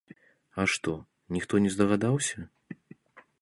А што, ніхто не здагадаўся?